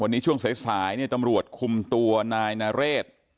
วันนี้ช่วงสายเนี่ยตำรวจคุมตัวนายนเรศ